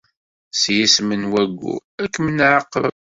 S yisem n wayyur, ad kem-nɛaqeb!